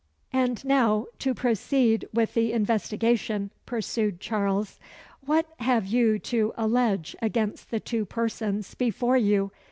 "And now to proceed with the investigation," pursued Charles. "What have you to allege against the two persons before you?"